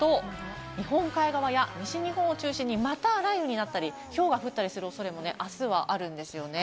日本海側や西日本を中心にまた雷雨になったり、ひょうが降ったりする恐れも、あすはあるんですよね。